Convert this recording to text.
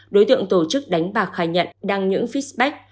đối tượng tổ chức đánh bạc khai nhận đăng những feedback